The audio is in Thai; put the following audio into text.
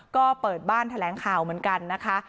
ก็เปิดบ้านแถลงข่าวเหมือนกันนะคะ